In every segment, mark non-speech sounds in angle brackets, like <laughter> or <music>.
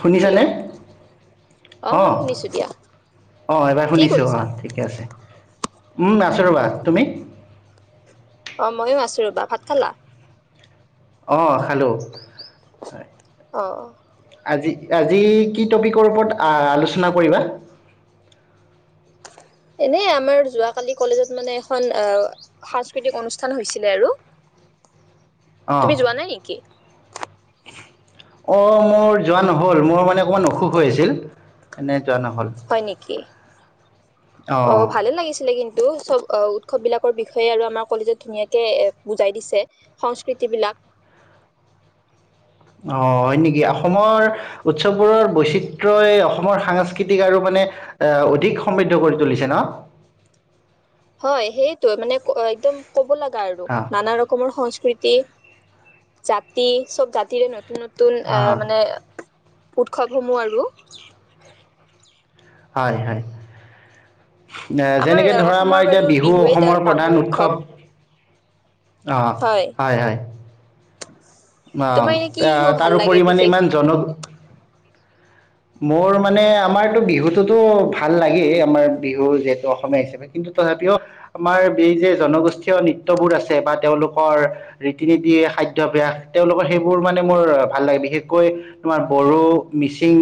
শুনিছানে হেল্ল' অ অঁ মই শুনিছো দিয়া অঁ এইবাৰ কি শুনিছোঁ অঁ কৰিছা আমাৰ ঠিকে আছে আছোঁ ৰ'বা তুমি অঃ ময়ো আছো ৰ'বা ভাত খালা অঁ খালো অ আজি আজি কি টপিকৰ ওপৰত আলোচনা কৰিবা এনে আমাৰ যোৱা কালি কলেজত মানে এখন আহ সাংস্কৃতিক অনুষ্ঠান হৈছিলে আৰু অঁ তুমি যোৱা নাই নেকি অঁ মোৰ যোৱা নহ'ল মোৰ মানে অকমান অসুখ হৈ আছিল এনে যোৱা নহ'ল হয় নেকি অ অঁ ভালে লাগিছিলে কিন্তু চব উৎসৱ বিলাকৰ বিষয়ে আৰু আমাৰ কলেজত ধুনীয়াকে এ বুজাই দিছে সংস্কৃতি বিলাক অঁ হয় নেকি অসমৰ উৎসৱবোৰৰ বৈচিত্ৰই অসমৰ সাংস্কৃতিক আৰু মানে এ অধিক সমৃদ্ধ কৰি তুলিছে ন হয় সেইটোৱে মানে একদম ক'ব লগা আৰু অঁ নানা ৰকমৰ সংস্কৃতি জাতি চব জাতিৰে ন নতুন এ অঁ মানে উৎসৱসমূহ আৰু হয় হয় আমাৰ যেনেকে ধৰা অসমৰ আমাৰ বাৰু এতিয়া বিহু বিহুৱেই অসমৰ ডাঙৰ প্ৰধান উৎসৱ অঁ হয় হয় অঁ তোমাৰ এনে কি এ বিহু ভাল লাগে তাৰোপৰি বিশেষ ইমান জনক মোৰ মানে আমাৰতো বিহুটোতো ভাল লাগেই আমাৰ বিহু যিহেতু অসমীয়া হিচাপে কিন্তু তথাপিও আমাৰ এই যে জনগোষ্ঠীয় নৃত্ৰ্যয়বোৰ আছে বা তেওঁলোকৰ ৰীতি নীতি খাদ্যভ্যাস তেওঁলোকৰ সেইবোৰ মানে মোৰ ভাল লাগে বিশেষকৈ তোমাৰ বড়ো, মিচিং,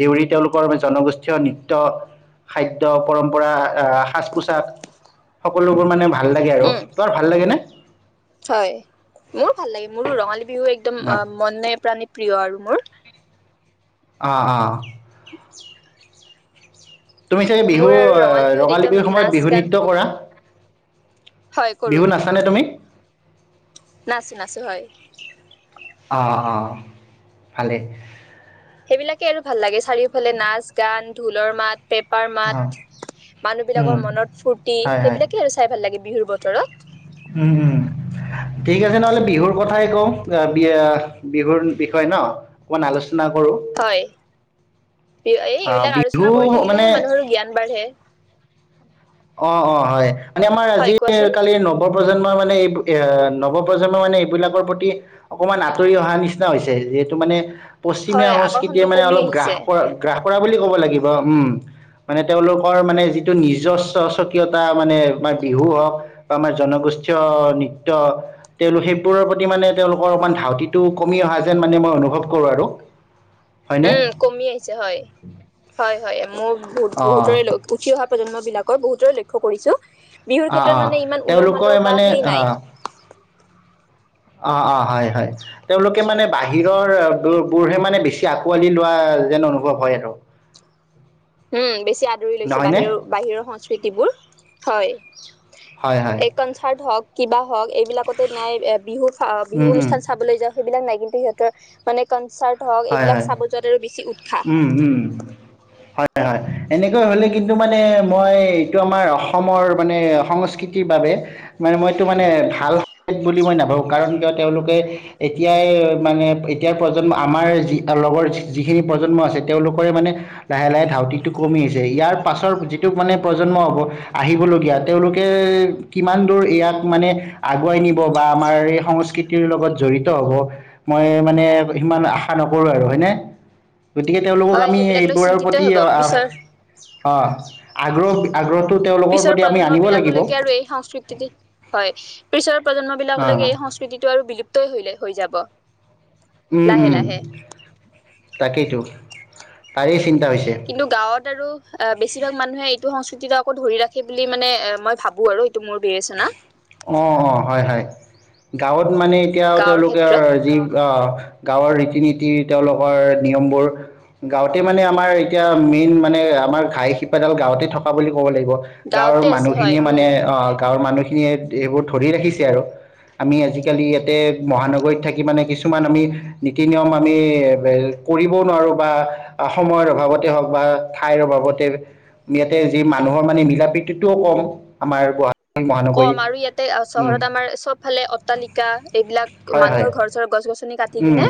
দেউৰী তেওঁলোকৰ জনগোষ্ঠীয় নৃত্য খাদ্য পৰম্পৰা সাজ পোছাক সকলোবোৰ মানে ভাল লাগে আৰু উম তোমাৰ ভাল লাগেনে হয় মোৰো ভাল লাগে মোৰো ৰঙালী বিহু একদম অঁ মনে প্ৰাণিত প্ৰিয় আৰু মোৰ অঁ অঁ <unintelligible> তুমি চাগে বিহু মোৰ আৰু বিহুত ৰঙালী একদম বিহু সময়ত নাচ বিহু গান নৃত্য কৰা হয় বিহুত নাচানে তুমি নাছোঁ নাছোঁ হয় অঁ অঁ ভালে সেইবিলাকে আৰু ভাল লাগে চাৰিওফালে নাচ গান ঢোলৰ মাত পেপাৰ অঁ মাত মানুহ উম, বিলাকৰ মনত ফুৰৰ্তি হয় হয় সেইবিলাকে আৰু চাই ভাল লাগে বিহুৰ বতৰত উম উম ঠিক আছে নহ'লে বিহুৰ কথাই কওঁ বি বিহুৰ বিষয়ে ন অকমান আলোচনা কৰো হয় এই এইবিলাক আলোচনা কৰি থাকিলেহে মানুহৰো জ্ঞান বাঢ়ে অ অ হয় মানে আমাৰ হয় কোৱাচোন আজিকালি নৱপজন্মৰ মানে এই নৱপ্ৰজন্ম মানে এইবিলাকৰ প্ৰতি অকনমান আঁতৰি অহা নিচিনা হৈছে যিহেতু মানে পশ্চিমীয়া হয় সংস্কৃতিে আকৰ্ষণটো মানে কমি অলপ গ্ৰাস আহিছে কৰা গ্ৰাস কৰা বুলি ক'ব লাগিব উম মানে তেওঁলোকৰ মানে যিটো নিজচ স্বকীয়তা মানে আমাৰ বিহু হওক বা আমাৰ জনগোষ্ঠীয় নৃত্য তেওঁলোক সেইবোৰৰ প্ৰতি মানে তেওঁলোকৰ অকণমান ধাউতিটো কমি অহা যেন মানে মই অনুভৱ কৰোঁ আৰু হয়নে? উম কমি আহিছে হয় হয় হয় <unintelligible> বহুত অ', বহুতৰে উঠি অহা প্ৰজন্ম বিলাকৰ বহুতৰে লক্ষ্য কৰিছো বিহুৰ অ', ক্ষেত্ৰত অ', মানে ইমান উলহ তেওঁলোকে মালহ বা মানে সেই নাই অ'। অ অ হয় হয় তেওঁলোকে মানে বাহিৰৰ বোৰহে মানে বেছি আকোৱালি লোৱা যেন অনুভৱ হয় আৰু উম বেছি আদৰি লৈছে নহয়নে? বাহিৰৰ বাহিৰৰ সংস্কৃতিবোৰ হয় হয়, হয়। এই কনচাৰ্ট হওক কিবা এইবিলাকতে নাই বিহু বিহু উম, উম। অনুষ্ঠান চাবলৈ যাওঁ সেইবিলাক নাই কিন্তু সিহঁতৰ মানে কনচাৰ্ট হক হয়, এইবিলাক হয়। চাব যোৱাত আৰু বেছি উম, উম। উৎসাহ হয় হয় এনেকৈ হলে কিন্তু মানে মই এইটো আমাৰ অসমৰ মানে সংস্কৃতিৰ বাবে মানে মইতটো মানে ভাল বুলি মই নাভাবো কাৰণ কিয় তেওঁলোকে এতিয়াই মানে এতিয়াৰ প্ৰজন্ম আমাৰ যি লগৰ যিখিনি প্ৰজন্ম আছে তেওঁলোকৰে মানে লাহে লাহে ধাউতিটো কমি আহছে ইয়াৰ পাছৰ যিটো মানে প্ৰজন্ম হ'ব আহিবলগীয়া তেওঁলোকে কিমান দূৰ ইয়াক মানে আগুৱাই নিব বা আমাৰ এই সংস্কৃতিৰ লগত জড়িত হ'ব মই মানে সিমান আশা নকৰোঁ আৰু হয়নে গতিকে তেওঁলোকক হয় আমি সেইবিলাক লৈ এইবোৰৰ চিন্তিত প্ৰতি হব পিছৰ আহ অ আগ্ৰ আগ্ৰহ তেওঁলোকৰ পিছৰ প্ৰতি আমি প্ৰজন্ম আনিব লাগিব অ বিলাকলৈকে আৰু এই সংস্কৃতি হয় পিছৰ প্ৰজন্মবিলাকলৈকে এই সংস্কৃতিটো আৰু বিলুপ্ত ই হৈ যাব উম লাহে উম লাহে তাকেইতো তাৰে কিন্তু গাঁৱত আৰু অ বেছিভাগ মানুহে টো সংস্কৃতিটো আকৌ ধৰি ৰাখে বুলি মানে মই ভাবো আৰু এইটো মোৰ বিবেচনা অ অ হয় হয় গাঁৱত মানে এতিয়াও গাঁৱৰ তেওঁলোকে ক্ষেত্ৰত যি অ গাঁৱৰ ৰীতি নীতি তেওঁলোকৰ নিয়মবোৰ গাঁৱতে মানে আমাৰ এতিয়া মেইন মানে আমাৰ ঘাই শিপাডাল গাঁৱতে থকা বুলি কব লাগিব গাঁৱৰ গাঁৱতে আছে হয় মানুহখিনিয়ে মানে উম আহ গাঁৱৰ মানুহ <unintelligible> সেইবোৰ ধৰি ৰাখিছে আৰু আমি আজিকালি ইয়াতে মহানগৰীত থাকি মানে কিছুমান আমি নীতি নিয়ম আমি কৰিবও নোৱাৰো বা সময়ৰ অভাৱতে হওক বা ঠাইৰ অভাৱতে ইয়াতে যি মানুহৰ মানে মিলা প্ৰীতিতটোও কম আমাৰ গুৱাহাটীত কম আৰু মহানগৰীত ইয়াতে চহৰত আমাৰ চব ফালে অট্টালিকা এইবিলাক হয়, হয়, মানুহৰ ঘৰ চৰ গছ টি উম, কিনে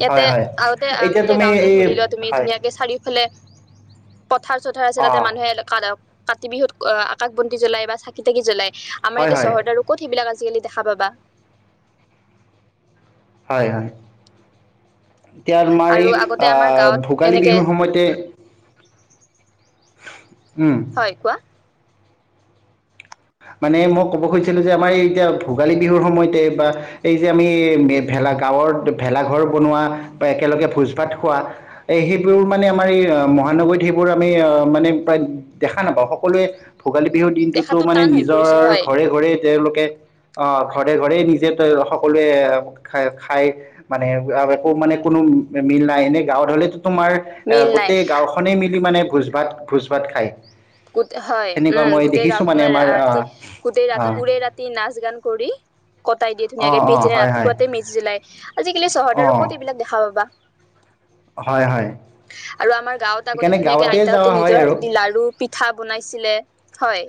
ইয়াতে হয়, হয়। আগতে এতিয়া তুমি গাওঁতে এই ধৰি লোৱা তুমি হয়, ধুনীয়াকে চাৰিওফালে পথাৰ চথাৰ আছে তাতে অ', মানুহে কাতি বিহুত আকাশ বন্তি জ্বলাই বা চাকি তাকি জ্বলাই আমাৰ হয়, ইয়াতে হয়, চহৰ কত সেইবিলাক আজিকালি দেখা পাবা হয় হয় এতিয়া তোমাৰ এই আৰু আগতে আমাৰ আহ গাঁৱত ভোগালী এনেকে বিহুৰ সময়তে উম। হয় কোৱা মানে মই ক'ব খুজিছিলো যে আমাৰ এই এতিয়া ভোগালী বিহুৰ সময়তে বা এই যে আমি ভেলা গাঁৱৰ ভেলাঘৰ বনোৱা বা একেলগে ভোজ ভাত খোৱা এ সেইবোৰ মানে আমাৰ এই মহানগৰীত সেইবোৰ আমি আহ মানে প্ৰায় দেখা নাপা সকলোৱে ভোগালী বিহুৰ দিনটোতো দেখাতো মানে টান হৈ পৰিছে নিজৰ হয় ঘৰে ঘৰে তেওঁলোকে অ ঘৰে ঘৰে নিজে সকলোৱে খ খাই মানে একো মানে কোনো মিল নাই এনে গাঁৱত হলেতো তোমাৰ অ মিল নাই গোটেই গাঁওখনে মিলি মানে ভোজ ভাত ভোজ ভাত খায় গোট হয় সেনেকুৱা উম মই গোটেই দেখিছো গাওঁ মানে আমাৰ ৰাতি আহ গোটেই ৰাতি আহ উৰে ৰাতি নাচ গান কৰি কটাই দিয়ে অঁ ধুনীয়াকে অঁ পিছদিনা হয় হয় ৰাতিপুৱাতে মেজি জ্বলাই আজিকালি চহৰৰত আৰু অঁ ক'ত এইবিলাক দেখা পা বা হয় হয় আৰু আমাৰ গাঁৱত আগতে সেইকাৰণে ধুনীয়াকে গাঁৱতে আইতাহতে যোৱা হয় নিজৰ আৰু হাতে দি লাৰু পিঠা বনাইছিলে হয়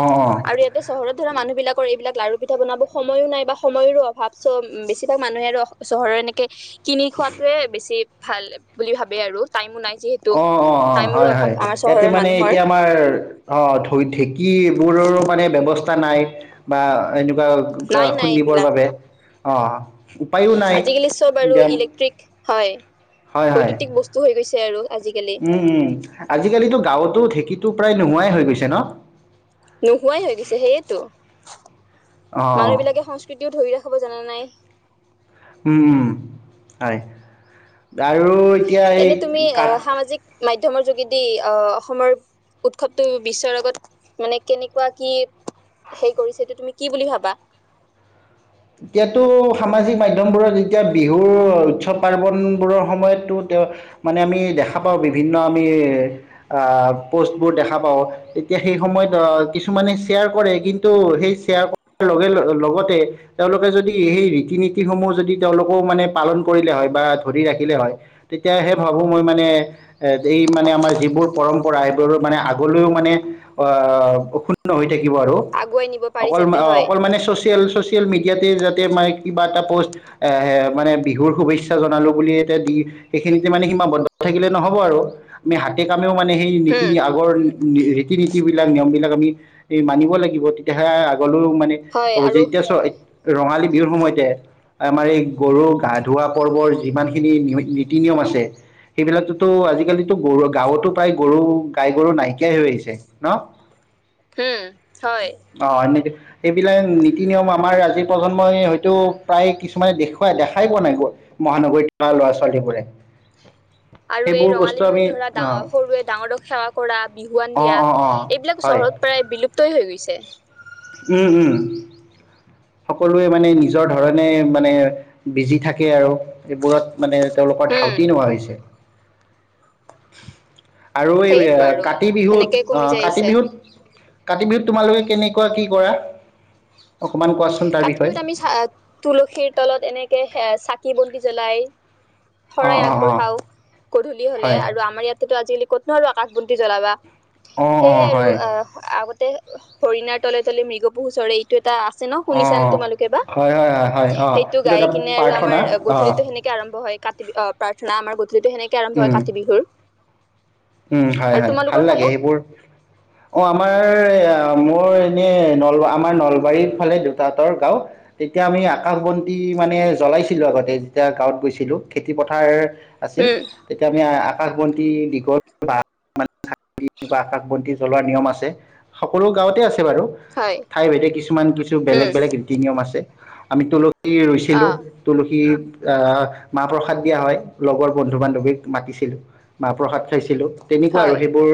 অঁ অঁ আৰু ইয়াতে চহৰত ধৰা মানুহ বিলাকৰ এইবিলাক লাৰু পিঠা বনাব সময়ো নাই বা সময়ৰো অভাৱ চ বেছিভাগ মানুহে আৰু চহৰৰ এনেকে কিনি খোৱাটোৱে বেছি ভাল বুলি ভাবে আৰু টাইমো নাই। যিহেতু অ অ অ টাইমৰো হয় অভাৱ হয় আমাৰ ইয়াতে চহৰৰ মানে মানুহৰ এতিয়া। হয় অ ঢৌ ঢেঁকী বোৰৰ মানে ব্যৱস্থাৰ। নাই বা। এনেকুৱা গ নাই নাই শুনিবৰ এইবিলাক বাবে। অ'হ আজিকালি চব আৰু ইলেক্ট্ৰিক হয়। হয় হয় বৈদ্যুতিক বস্তু হৈ গৈছে আৰু আজি। উম, উম আজিকালিতো। গাঁৱতো ঢেঁকীটো প্ৰায় নোহোৱাই হৈ গৈছে ন। অঁ মানুহবিলাকে সংস্কৃতিও ধৰি ৰাখে। খবৰ জানা নাই। উম হয়। আৰু এতিয়া এই এনে তুমি কঠ। আহ সামাজিক মাধ্যমৰ যোগেদি আহ অসমৰ উৎসৱটো বিশ্বৰ আগত মানে কেনেকুৱা। কি হেৰি কৰিছে এইটো তুমি কি বুলি ভাবা। এতিয়াতো সামাজিক মাধ্যমবোৰত এতিয়া বিহুৰ উৎসৱ পাৰ্বনবোৰৰ সময়তো তেওঁ মানে আমি দেখা পাওঁ। বিভিন্ন আমি আহ পোষ্টবোৰ দেখা পাওঁ। এতিয়া সেই সময়ত আহ কিছুমানে শ্বেয়াৰ কৰে কিন্তু সেই শ্বেয়াৰ কৰাৰ লগে লগ লগতে। তেওঁলোকে যদি সেই ৰীতি নীতিসমূহ যদি তেওঁলোকেও মানে পালন কৰিলে হয়। বা ধৰি ৰাখিলে হয়। তেতিয়াহে ভাবো মই মানে এ এই মানে আমাৰ যিবোৰ পৰম্পৰা সেইবোৰ মানে আগলৈও মানে অহ শু। থাকিব আৰু আগুৱাই নিব পাৰি অকল মা যাতে অ হয় অলক মানে চচিয়েল চচিয়েল। চচিয়েল মিডিয়াতে যাতে মই কিবা এটা পোষ্ট এ এ মানে বিহুৰ শুভেচ্ছা জনালোঁ বুলি এতিয়া বি এখিনিতে মানে সীমাবদ্ধ থাকিলে নহব আৰু আমি হাতে কামে। মানে সেই নীতি হম আগৰ নি ৰী নীতিবলাক নিয়মবিলাক আমি এই মানিব লাগিব তেতিয়াহে আগলৈ। মানে হয় জি। আৰু ৰঙালী বিহুৰ সময়তে আমাৰ এই গৰু গা ধোৱাা পৰ্বৰ যিমানখিনি নীতি নিয়ম আছে। সেইবিলাকতো আজিকালিতো গৰু গাঁৱতো প্ৰায় গৰু গাই গৰু নাইকিয়াই হৈ আহিছে। ন হম হয় অ এনেকে। এইবিলাক নিতী। নীতি নিয়ম আমাৰ আজি প্ৰজন্মই হয়তো প্ৰায় কিছুমানে দেখুৱাই দেখাই পোৱা নাই। মহানগৰীত থকা ল'ৰা ছোৱালীবোৰে। আৰু এই সেইবোৰ বস্তু ৰঙালী বিহুত আমি ধৰা ডাঙ অ' সৰুৱে ডাঙৰ ডক সেৱা কৰা বিহুৱান দিয়া। অ' অ' অ' এইবিলাক হয় চহৰত প্ৰায় বিলুপ্তই হৈ গৈছে। যে, উম, উম সকলোৱে মানে নিজৰ ধৰণে মানে বিজি থাকে আৰু। এইবোৰত মানে তেওঁলোকৰ হম ধাউতি নোহোৱা হৈছে। <unintelligible> আৰু এই সেইটো আৰু কাতি বিহুত সেনেকে কমি অহ, যাই কাতি আহিছে বিহুত- কাতি বিহুত, তোমালোকে কেনেকে কৰা অকমান কোৱাচোন তাৰ কাতি বিষয়ে বিহুত আমি চ তুলসীৰ তলত এনেকে চাকি বন্তি জ্বলাই শৰাই অ' অ' অ' আগবঢ়াও গধূলি হলে' হয় আৰু আমাৰ ইয়াতেতো আজিকি ক'তনো আৰু আকাশ বন্তি জ্বলাবা। অ' সেইয়াই অ' আৰু হয় আহ, আগতে হৰিণাৰ তলে-তলে মৃগ পহু চৰে এইটো এটা আছে, শুনিছা নে? অঁ তোমালোকে বা হয় হয় হয় হয় অঁ সেইটো এইটো গাই এটা কিনে আৰু আমাৰ প্ৰাৰ্থনা অঁ গধূলিটো সেনেকে আৰম্ভ হয় কাতি বিহুৰ প্ৰাৰ্থনা আমাৰ। যিটো সেনেকে আৰম্ভ হয় কাতি বিহুৰ। উম, আৰু হয়-হয় ভাল তোমালোকৰ লাগে, ফালে সেইবোৰ অ' আমাৰ মোৰ এনে নল আমাৰ নলবাৰীৰ ফালে দেউতাহতৰ গাঁও, তেতিয়া আমি আকাশ বন্তি মানে জ্বলাইছিলো আগতে যেতিয়া গাঁৱত গৈছিলো। খেতি পথাৰ আছিল। উম তেতিয়া আমি সাষ বন্তি দিশত আকাশ বন্তি জ্বলোৱাৰ নিয়ম আছে সকলো গাঁৱতে আছে। বাৰু হয় ঠাই ভাইদে কিছুমান কিছু উম বেলেগ-বেলেগ ৰীতি নিয়ম আছে। আমি তো অ ৰুইছিলো তুলসী আহ, মাহ-প্ৰসাদ দিয়া হয়, লগৰ বন্ধু-বান্ধৱীক মাতিছিলো। মাহ-প্ৰসাদ চাইছিলো তেনেকুৱা আৰু হয় সেইবোৰ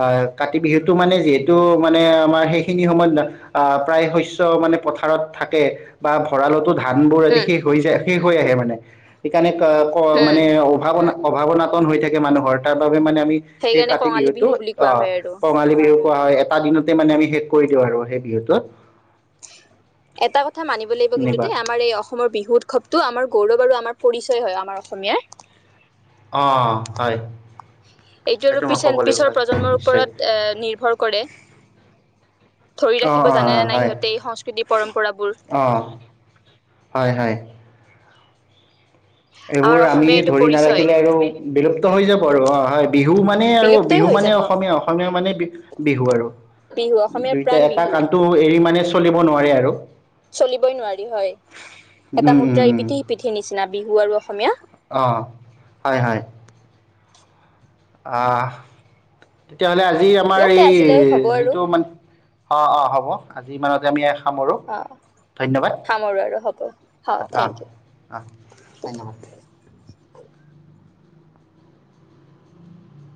আহ, কাতি বিহুতটো মানে যিহেতু মানে, আমাৰ সেইখিনি সময়ত আহ প্ৰায় শস্য মানে পথাৰত থাকে বা ভঁৰালতো থাকে। ধানবোৰ এদি উম শেষ হৈ যায়, শেষ হৈ আহে মানে। সেইকাৰণে, উম মানে অভাৱনা অভাৱনাতন হৈ থাকে মানুহৰ ত <unintelligible> মানে আমি সেই সেইকাৰণে কাতি কঙালী বিহুতটো বিহু বুলি কোৱা অ' হয় আৰু কঙালী বিহু হয়, এটা দিনতে মানে আমি শেষ কৰি দিওঁ আৰু সেই বিহুটোত এটা কথা মানিব লাগিব কিন্তু এনেকুৱা দেই, আমাৰ এই অসমৰ বিহু উৎসৱটো আমাৰ গৌৰৱ আৰু আমাৰ পৰিচয় হয় আমাৰ অসমীয়াৰ। অঁ, হয়। এইটো আৰু সেইটো পি মই ক'ব লাগিব পিছৰ হয় প্ৰজন্মৰ নিশ্চয় ওপৰত এ নিৰ্ভৰ কৰে ধৰি অ ৰাখিব অ অ জানেনেে নাই হয় সিহঁতে এই সংস্কৃতিৰ পৰম্পৰাবোৰ অ হয় হয় আমাৰ এইবোৰ আমি অসমীয়া এইটো ধৰি পৰিচয় নাৰাখিলে আৰু বিলুপ্ত হৈ যাব আৰু অঁ হয় বিহু মানে আৰু বিলুপ্তই বিহু হৈ মানে যাব অসমীয়া অসমীয়া মানে বিহু আৰু বিহু অসমীয়াৰ প্ৰাণ দুইটা এটা বিহু কণটো এৰি মানে চলিব নোৱাৰে আৰু চলিবই নোৱাৰি হয় এটা মুদ্ৰাৰ ইপিঠি সিপিঠে নিচিনা বিহুৰ অঁহহ হয় হয় অঁহ তেতিয়াহলে আজি আজি আমাৰ ইয়াতে এই আজিলৈ হ'ব আৰু যিটো মানে অঁ অঁ হ'ব আজি মানতে আমি এক সামৰোঁ অ ধন্যবাদ সামৰো আৰু হ'ব অ অঁ থেংক ইউ অঁ ধন্যবাদ